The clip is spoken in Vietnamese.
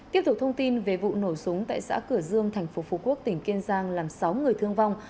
tiếp tục thông tin về vụ nổ súng tại xã cửa dương thành phố phú quốc tỉnh kiên giang làm sáu người thương vong